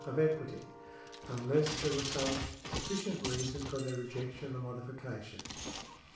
§ 13] CIVIL LAW 35 of equity, unless there was some sufficient reason for their rejection or modification.